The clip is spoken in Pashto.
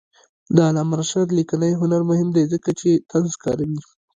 د علامه رشاد لیکنی هنر مهم دی ځکه چې طنز کاروي.